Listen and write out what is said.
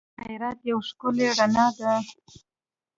غیرت یوه ښکلی رڼا ده